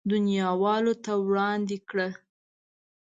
دنياوالو ته وړاندې کړه.